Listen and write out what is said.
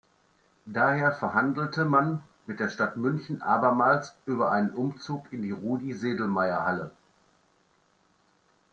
Daher verhandelte man mit der Stadt München abermals über einen Umzug in die Rudi-Sedlmayer-Halle.